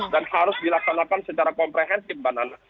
dan harus dilaksanakan secara komprehensif mbak nana